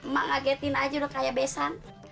mak ngagetin aja udah kayak besan